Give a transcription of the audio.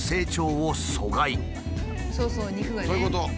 そういうこと。